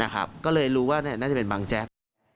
ก็เลยรู้ว่าน่าจะเป็นบังแจ๊ก